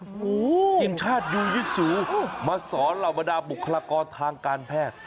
ทีมชาติยูยิซูมาสอนเหล่าบรรดาบุคลากรทางการแพทย์